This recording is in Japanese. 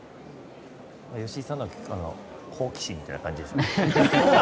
吉井さんのは好奇心みたいな感じですね。